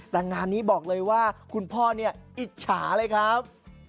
แต่งานนี้บอกเลยว่าคุณพ่อเนี่ยอิจฉาเลยครับ